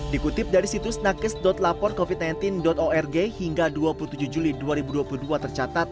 dikutip dari situs nakes lapor covid sembilan belas org hingga dua puluh tujuh juli dua ribu dua puluh dua tercatat